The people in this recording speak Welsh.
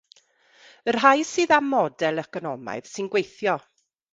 Y rhai sydd â model economaidd sy'n gweithio.